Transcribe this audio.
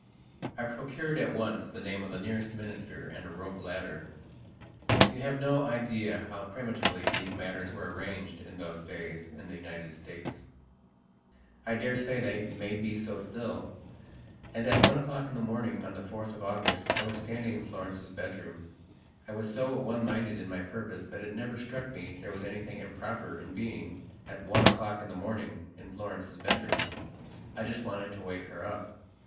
I procured at once the name of the nearest minister and a rope ladderyou have no idea how primitively these matters were arranged in those days in the United States. I daresay that may be so still. And at one o'clock in the morning of the 4th of August I was standing in Florence's bedroom. I was so one minded in my purpose that it never struck me there was anything improper in being, at one o'clock in the morning, in Florence's bedroom. I just wanted to wake her up.